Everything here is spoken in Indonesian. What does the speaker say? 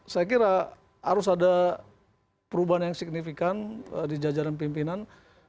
saya kira harus ada perubahan yang signifikan di jajaran pimpinan